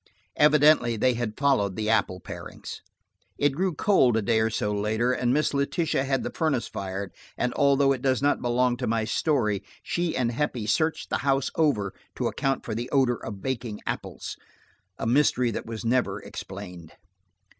Evidently they had followed the apple parings. It grew cold a day or so later, and Miss Letitia had the furnace fired, and although it does not belong to my story, she and Heppie searched the house over to account for the odor of baking apples–a mystery that was never explained.